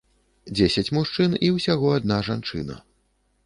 Дзесяць мужчын і ўсяго адна жанчына.